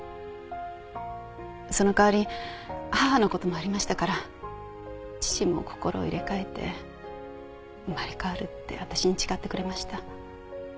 その代わり母の事もありましたから父も心を入れ替えて生まれ変わるって私に誓ってくれました。